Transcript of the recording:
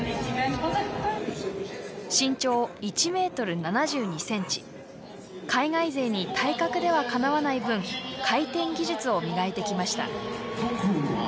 身長１ｍ７２ｃｍ海外勢に体格ではかなわない分回転技術を磨いてきました。